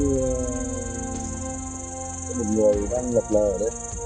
các bệnh người đang ngập lờ ở đấy